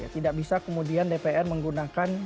tidak bisa kemudian dpr menggunakan